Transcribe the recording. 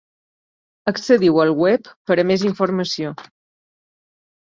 Accediu al web per a més informació.